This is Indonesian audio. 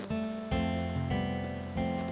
siapa di lab